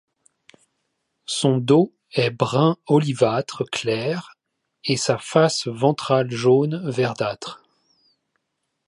Son dos est brun olivâtre clair et sa face ventrale jaune verdâtre.